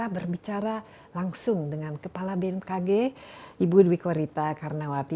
berbicara langsung dengan kepala bmkg ibu dwi korita karnawati